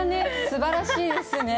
すばらしいですね。